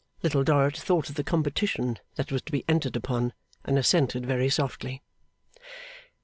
Little Dorrit thought of the competition that was to be entered upon, and assented very softly.